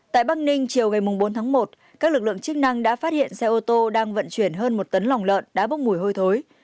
tại bắc ninh chiều ngày bốn tháng một các lực lượng chức năng đã phát hiện xe ô tô đang vận chuyển hơn một tấn lòng lợn đã bốc mùi hôi thối